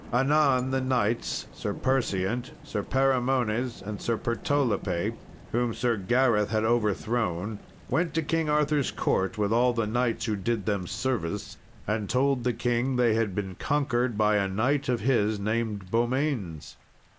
Anon the knights, Sir Perseant, Sir Perimones, and Sir Pertolope, whom Sir Gareth had overthrown, went to King Arthur's court with all the knights who did them service, and told the king they had been conquered by a knight of his named Beaumains.